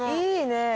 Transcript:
いいね。